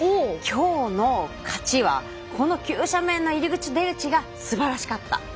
きょうの勝ちはこの急斜面の入り口出口がすばらしかった。